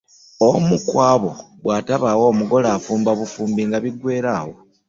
Omu ku abo bw’atabaawo omugole afumba bufumbi nga biggweera awo.